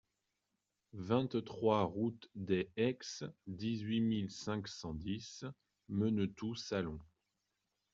vingt-trois route des Aix, dix-huit mille cinq cent dix Menetou-Salon